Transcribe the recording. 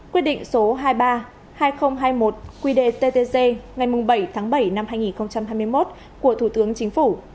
quy định số hai mươi ba hai nghìn hai mươi một quy đề ttc ngày bảy tháng bảy năm hai nghìn hai mươi một của thủ tướng chính phủ